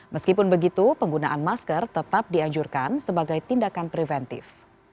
meskipun begitu penggunaan masker tetap dianjurkan sebagai tindakan preventif